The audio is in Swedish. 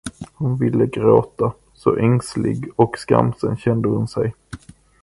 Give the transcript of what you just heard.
Hon ville gråta, så ängslig och skamsen kände hon sig.